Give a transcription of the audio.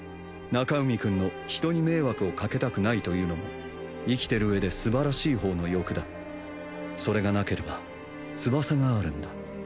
中海君の人に迷惑をかけたくないというのも生きてる上ですばらしい方の欲だそれがなければ翼があるんだ